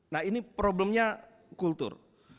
nah ini problemnya kultur